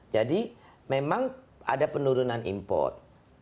jadi memang ada penurunan import